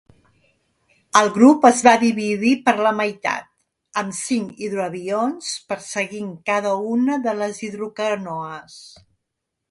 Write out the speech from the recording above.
El grup es va dividir per la meitat, amb cinc hidroavions perseguint cada una de les hidrocanoes.